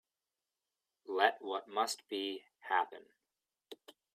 Let what must be, happen.